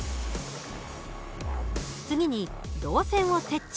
次に導線を設置。